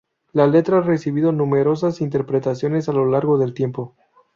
La letra ha recibido numerosas interpretaciones a lo largo del tiempo.